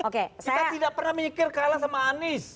kita tidak pernah mikir kalah sama anies